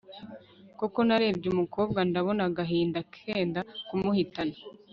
koko nareba umukobwa nkabona agahinda kenda kumuhitana